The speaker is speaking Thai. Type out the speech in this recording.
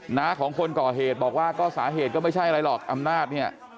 หน้าของคนก่อเหตุบอกว่าก็สาเหตุก็ไม่ใช่อะไรหรอกอำนาจเนี่ย